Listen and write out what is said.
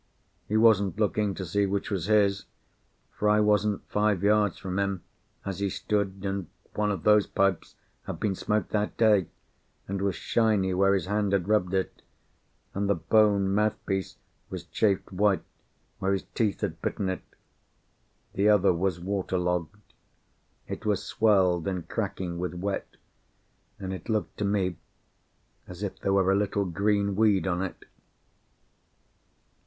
He wasn't looking to see which was his, for I wasn't five yards from him as he stood, and one of those pipes had been smoked that day, and was shiny where his hand had rubbed it, and the bone mouthpiece was chafed white where his teeth had bitten it. The other was water logged. It was swelled and cracking with wet, and it looked to me as if there were a little green weed on it.